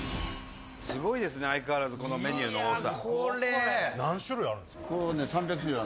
すごいですね、相変わらずこのメニューの多さ。